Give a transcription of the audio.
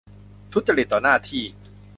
ทุจริตต่อหน้าที่